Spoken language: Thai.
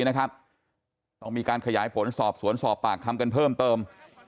ต้องมีการขยายผลสอบสวนสอบปากคำกันเพิ่มเติม